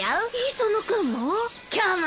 磯野君も！？